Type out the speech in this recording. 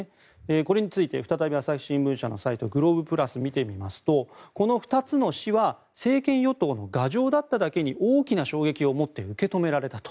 これについて、再び朝日新聞社のサイトＧＬＯＢＥ＋を見てみますとこの２つの市は政権与党の牙城だっただけに大きな衝撃を持って受け止められたと。